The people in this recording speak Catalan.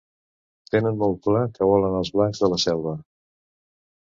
Tenen molt clar què volen els blancs de la selva.